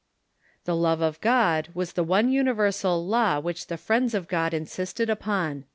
The love of God was the one universal law which the Friends of God insisted upon.